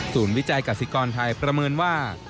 วิจัยกษิกรไทยประเมินว่า